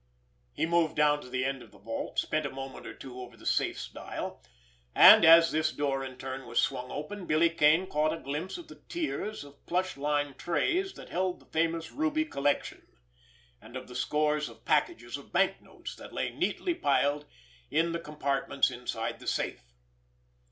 He moved down to the end of the vault, spent a moment or two over the safe's dial; and, as this door in turn was swung open, Billy Kane caught a glimpse of the tiers of plush lined trays that held the famous ruby collection, and of the score of packages of banknotes that lay neatly piled in the compartments inside the safe.